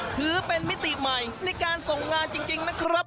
ถือเป็นมิติใหม่ในการส่งงานจริงนะครับ